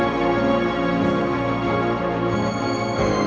aku berhenti siapapun